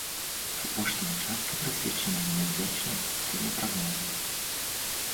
Апошняя частка прысвечаная няўдзячнай тэме прагнозаў.